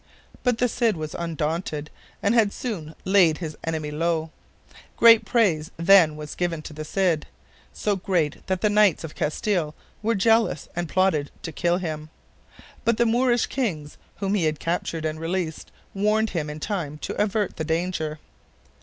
But the Cid was undaunted, and had soon laid his enemy low. Great praise then was given to the Cid so great that the knights of Castile were jealous and plotted to kill him. But the Moorish kings whom he had captured and released warned him in time to avert the danger.